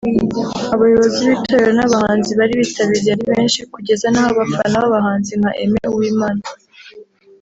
Abayobozi b’itorero n’abahanzi bari bitabiriye ari benshi kugeza n’aho abafana b’abahanzi nka Aimé Uwimana